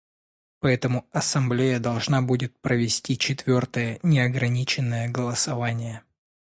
Поэтому Ассамблея должна будет провести четвертое неограниченное голосование.